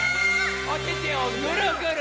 おててをぐるぐる！